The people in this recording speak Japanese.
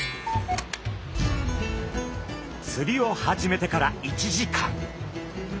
釣りを始めてから１時間。